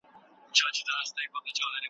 د مطالعې فرهنګ بايد په هر کور کي وي.